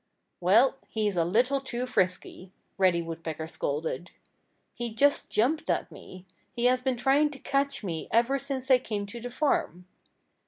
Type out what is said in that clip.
"Well, he's a little too frisky," Reddy Woodpecker scolded. "He just jumped at me. He has been trying to catch me ever since I came to the farm."